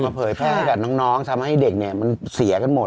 เอาเผยแพร่ให้แบบน้องทำให้เด็กมันเสียกันหมด